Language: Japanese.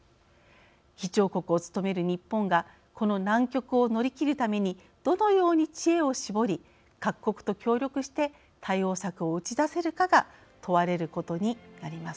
議長国を務める日本がこの難局を乗り切るためにどのように知恵を絞り各国と協力して対応策を打ち出せるかが問われることになります。